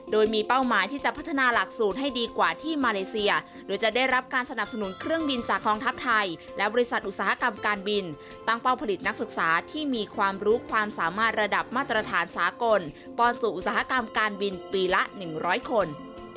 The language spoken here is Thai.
โดยมีเป้าหมายที่จะพัฒนาหลักสูตรให้ดีกว่าที่มาเลเซียโดยจะได้รับการสนับสนุนเครื่องบินจากกองทัพไทยและบริษัทอุตสาหกรรมการบินตั้งเป้าผลิตนักศึกษาที่มีความรู้ความสามารถระดับมาตรฐานสากลปอนสู่อุตสาหกรรมการบินปีละ๑๐๐คน